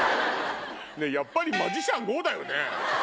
やっぱりマジシャンＧＯだよね？